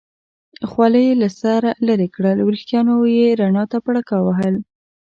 خولۍ یې له سره لرې کړل، وریښتانو یې رڼا ته پړکا وهل.